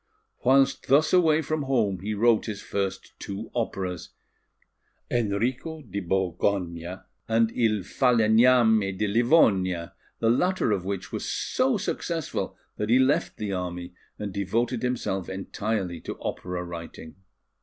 Whilst thus away from home, he wrote his first two operas, Enrico di Borgogna and Il Falegname de Livonia, the latter of which was so successful that he left the army and devoted himself entirely to opera writing.